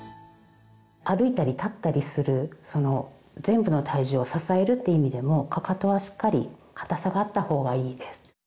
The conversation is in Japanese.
歩いたり立ったりするその全部の体重を支えるって意味でもかかとはしっかり硬さがあった方がいいです。